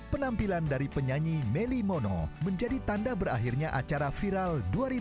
penampilan dari penyanyi meli mono menjadi tanda berakhirnya acara viral dua ribu dua puluh